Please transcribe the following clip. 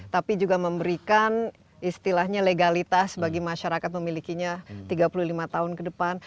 tapi juga memberikan istilahnya legalitas bagi masyarakat memilikinya tiga puluh lima tahun ke depan